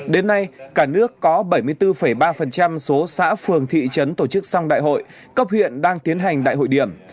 đến nay cả nước có bảy mươi bốn ba số xã phường thị trấn tổ chức xong đại hội cấp huyện đang tiến hành đại hội điểm